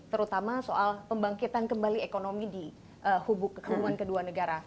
terutama soal pembangkitan kembali ekonomi di kekurungan kedua negara